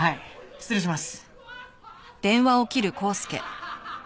失礼します。